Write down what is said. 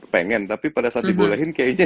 pengen tapi pada saat dibolehin kayaknya